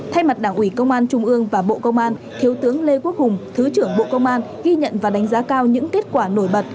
thay mặt đảng ủy công an trung ương và bộ công an thiếu tướng lê quốc hùng thứ trưởng bộ công an ghi nhận và đánh giá cao những kết quả nổi bật